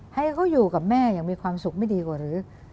ให้เขาอยู่กับแม่อย่างมีความสุขไม่ดีกว่าหรือ